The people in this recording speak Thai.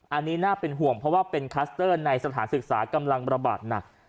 อันนี้น่าเป็นห่วงเพราะว่าเป็นคลัสเตอร์ในสถานศึกษากำลังระบาดหนัก